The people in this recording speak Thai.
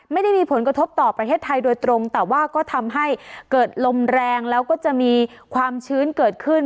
ไม่ได้มีผลกระทบต่อประเทศไทยโดยตรงแต่ว่าก็ทำให้เกิดลมแรงแล้วก็จะมีความชื้นเกิดขึ้น